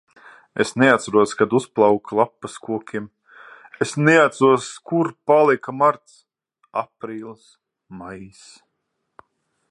Es neatceros, kad uzplauka lapas kokiem. Es neatceros, kur palika marts, aprīlis, maijs.